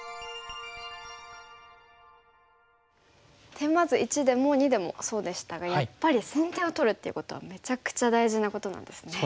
テーマ図１でも２でもそうでしたがやっぱり先手を取るっていうことはめちゃくちゃ大事なことなんですね。